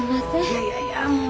いやいやいやもう。